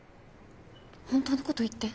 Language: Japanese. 本当の事言って。